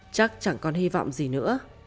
chắc chẳng còn hy vọng gì nữa